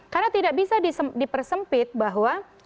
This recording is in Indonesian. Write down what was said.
karena tidak bisa dipersempit bahwa